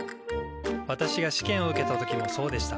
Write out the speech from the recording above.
私が試験を受けた時もそうでした。